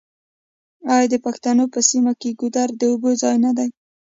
آیا د پښتنو په سیمو کې ګودر د اوبو ځای نه دی؟